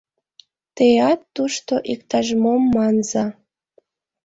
— Теат тушто иктаж-мом манза!